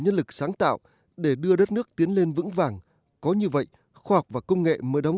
nhân lực sáng tạo để đưa đất nước tiến lên vững vàng có như vậy khoa học và công nghệ mới đóng